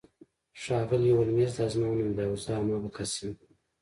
ښاغلی هولمز دا زما نوم دی او زه همغه کس یم